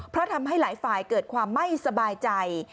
เพราะทำให้หลายฝ่ายเกิดความไม่สบายใจ